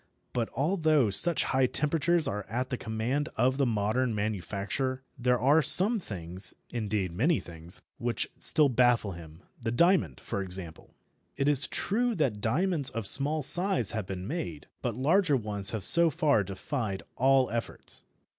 But although such high temperatures are at the command of the modern manufacturer, there are some things indeed many things which still baffle him, the diamond, for example. It is true that diamonds of small size have been made, but larger ones have so far defied all efforts.